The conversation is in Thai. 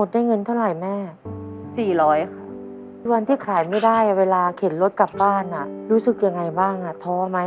วันที่ขายไม่ได้เวลาเข็นรถกลับบ้านรู้สึกยังไงบ้างท้อไหม